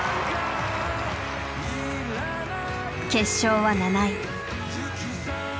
決勝は７位。